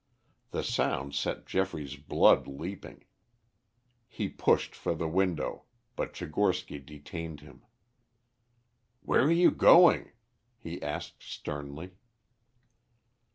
The sound set Geoffrey's blood leaping; he pushed for the window, but Tchigorsky detained him. "Where are you going?" he asked sternly.